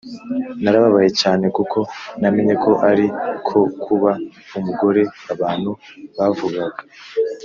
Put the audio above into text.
narababaye cyane kuko namenye ko ari ko kuba umugore abantu bavugaga,